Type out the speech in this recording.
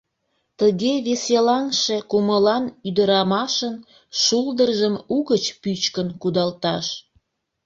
Тыге веселаҥше кумылан ӱдырамашын шулдыржым угыч пӱчкын кудалташ?